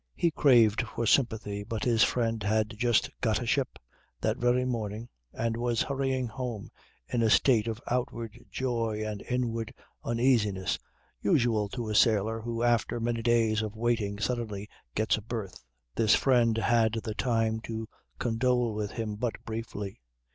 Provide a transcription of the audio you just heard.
He craved for sympathy but his friend had just "got a ship" that very morning and was hurrying home in a state of outward joy and inward uneasiness usual to a sailor who after many days of waiting suddenly gets a berth. This friend had the time to condole with him but briefly.